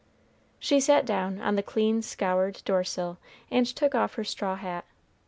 She sat down on the clean, scoured door sill, and took off her straw hat.